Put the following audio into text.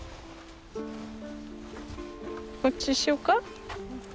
こっちにしようか？